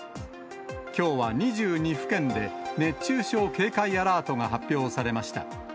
きょうは２２府県で熱中症警戒アラートが発表されました。